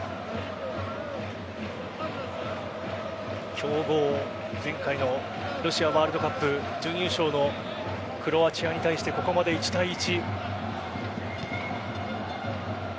強豪前回のロシアワールドカップ準優勝のクロアチアに対してここまで１対１。